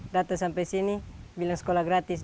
datang sampai sini bilang sekolah gratis di resapa